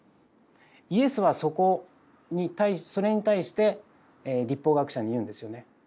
イエスはそれに対して律法学者に言うんですよね。